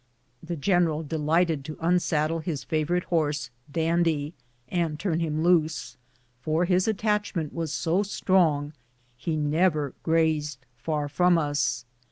The general delighted to unsaddle his favorite horse, Dandy, and turn him loose, for his attachment was so strong he never grazed far from us.